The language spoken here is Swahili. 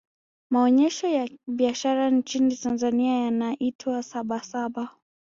maonyesho ya biashara nchini tanzania yanaitwa sabasaba